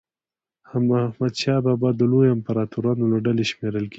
حمدشاه بابا د لویو امپراطورانو له ډلي شمېرل کېږي.